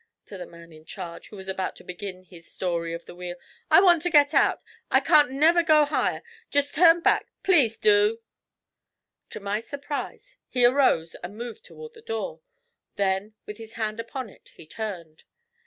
to the man in charge, who was just about to begin his 'story of the wheel,' 'I want to get out! I can't never go no higher. Jest turn back; please dew.' To my surprise, he arose and moved toward the door; then with his hand upon it, he turned.